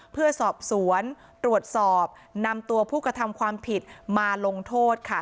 เพื่อสอบสวนตรวจสอบนำตัวผู้กระทำความผิดมาลงโทษค่ะ